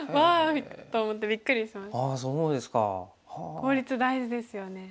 効率大事ですよね。